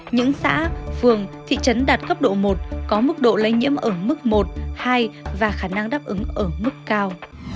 những xã phường thị trấn đạt cấp độ một có mức độ lây nhiễm ở mức một hai và khả năng đáp ứng ở mức cao